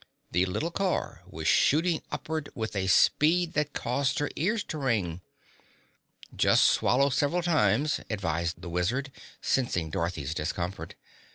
The little car was shooting upward with a speed that caused her ears to ring. "Just swallow several times," advised the Wizard, sensing Dorothy's discomfort.